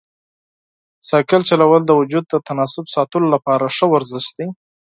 بایسکل چلول د وجود د تناسب ساتلو لپاره ښه ورزش دی.